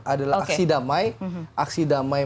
adalah aksi damai aksi damai